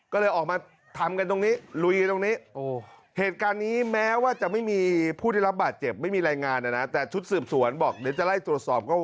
ก็เลยออกมาทำกันตรงนี้ลุยกันตรงนี้เหตุการณ์นี้แม้ว่าจะไม่มีผู้ได้รับบาดเจ็บไม่มีรายงานนะนะแต่ชุดสืบสวนบอกเดี๋ยวจะไล่ตรวจสอบก็